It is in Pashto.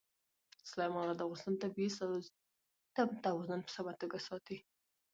سلیمان غر د افغانستان د طبعي سیسټم توازن په سمه ساتي.